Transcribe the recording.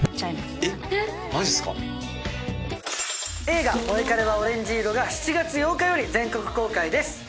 映画『モエカレはオレンジ色』が７月８日より全国公開です。